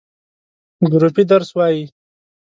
ګروپی درس وایی؟